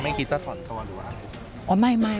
ไม่คิดจะถอนเขาหรืออะไร